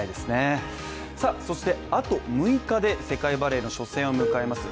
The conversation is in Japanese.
そしてあと６日で世界バレーの初戦を迎えます